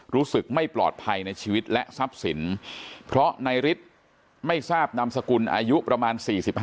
รู้สึกไม่ปลอดภัยในชีวิตและทรัพย์สินเพราะนายฤทธิ์ไม่ทราบนามสกุลอายุประมาณ๔๕